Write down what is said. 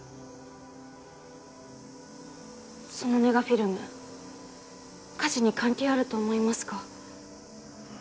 そのネガフィルム火事に関係あると思いますか？